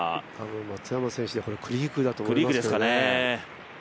松山選手、多分これはクリークだと思いますけどね。